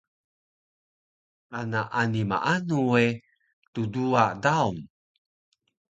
Kana ani maanu we tduwa daun